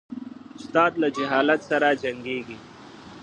استاد له جهالت سره جنګیږي.